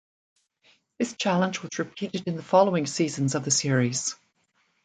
This challenge was repeated in the following seasons of the series.